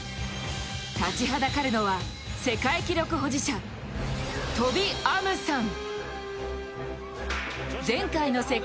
立ちはだかるのは世界記録保持者、トビ・アムサン。